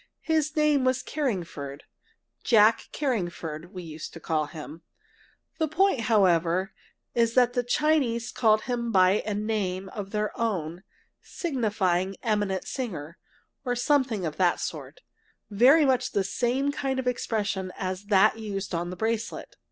His name was Carringford Jack Carringford, we used to call him. The point, however, is that the Chinese called him by a name of their own, signifying "eminent singer," or something of that sort very much the same kind of expression as that used on the bracelet.